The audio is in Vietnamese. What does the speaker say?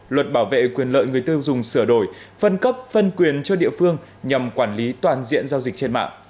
luật bảo vệ quyền lợi người tiêu dùng sửa đổi phân cấp phân quyền cho địa phương nhằm quản lý toàn diện giao dịch trên mạng